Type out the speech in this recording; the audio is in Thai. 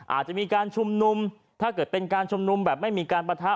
อาจจะมีการชุมนุมถ้าเกิดเป็นการชุมนุมแบบไม่มีการปะทะ